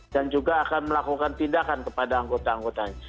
dan juga akan melakukan tindakan kepada anggota anggota